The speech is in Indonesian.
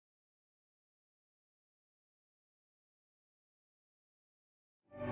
terima kasih ya